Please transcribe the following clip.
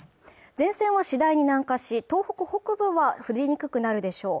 前線は次第に南下し東北北部は降りにくくなるでしょう